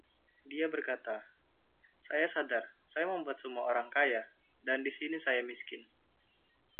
Dia berkata, "Saya sadar, saya membuat semua orang kaya, dan di sini saya miskin."